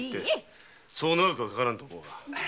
そう長くはかからんと思うが。